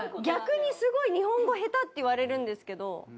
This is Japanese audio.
逆にすごい日本語下手って言われるんですけど。